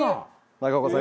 中岡さん